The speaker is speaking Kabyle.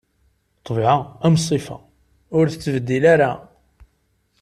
Ṭṭbiɛa am ṣṣifa, ur tettbeddil ara.